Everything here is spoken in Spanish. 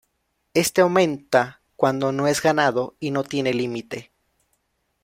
Este aumenta cuando no es ganado, y no tiene límite.